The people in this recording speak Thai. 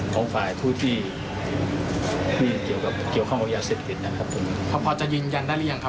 เป็นรถไหนครับหรือก็๒ครั้งเลยครับ